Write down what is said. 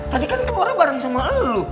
tadi kan keluaran bareng sama lo